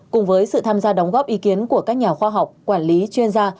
cùng với sự tham gia đóng góp ý kiến của các nhà khoa học quản lý chuyên gia